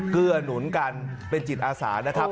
เกื้อหนุนกันเป็นจิตอาสานะครับ